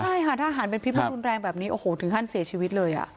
ใช่ค่ะถ้าอาหารเป็นพิพธรรมดุนแรงแบบนี้โอ้โหถึงขั้นเสียชีวิตเลยอ่ะ